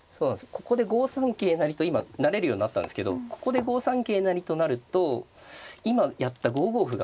ここで５三桂成と今成れるようになったんですけどここで５三桂成と成ると今やった５五歩が。